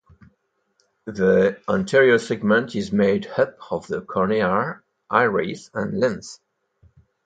The anterior segment is made up of the cornea, iris and lens.